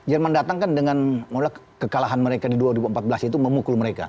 jerman datang kan dengan kekalahan mereka di dua ribu empat belas itu memukul mereka